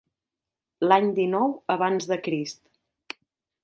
L'any dinou abans de Crist.